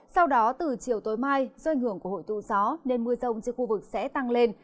sau đó từ chiều tối mai do ảnh hưởng của hội tụ gió nên mưa rông trên khu vực sẽ tăng lên